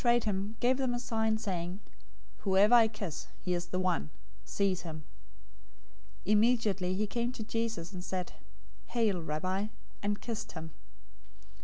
026:048 Now he who betrayed him gave them a sign, saying, "Whoever I kiss, he is the one. Seize him." 026:049 Immediately he came to Jesus, and said, "Hail, Rabbi!" and kissed him.